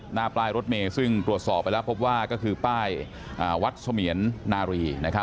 หน้าป้ายรถเมย์ซึ่งตรวจสอบไปแล้วพบว่าก็คือป้ายวัดเสมียนนารี